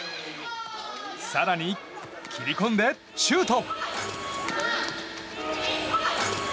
更に切り込んでシュート！